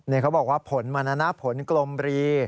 นี่เขาบอกว่าผลมรณะผลกลมรี